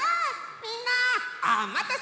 みんなおまたせ！